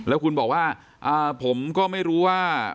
แล้วคุณบอกว่าผมก็ไม่รู้ว่า